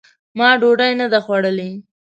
ما ډوډۍ نه ده خوړلې !